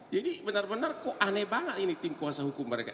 jadi benar benar kok aneh banget ini tim kuasa hukum mereka